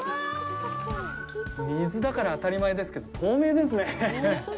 水だから当たり前ですけど、透明ですね。